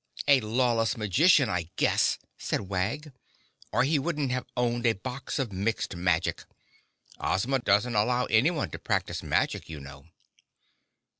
"A lawless magician, I guess," said Wag, "or he wouldn't have owned a box of Mixed Magic. Ozma doesn't allow anyone to practice magic, you know."